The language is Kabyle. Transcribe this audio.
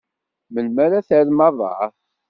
Melmi ara terrem aḍar?